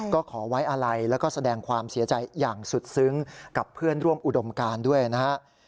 ก็ขอไว้อะไรแล้วก็แสดงความเสียใจอย่างสุดซึ้งกับเพื่อนร่วมอุดมการด้วยนะฮะ